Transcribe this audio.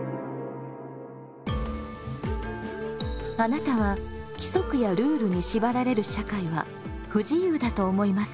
あなたは規則やルールに縛られる社会は不自由だと思いますか？